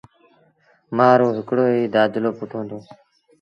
مآ رو هڪڙو ئيٚ دآدلو پُٽ هُݩدو